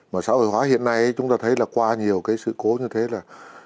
mà xã hội hóa hiện nay chúng ta thấy là qua nhiều cái sự cố như thế là